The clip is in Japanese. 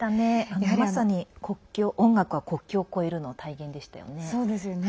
まさに音楽は国境を越えるの体言でしたよね。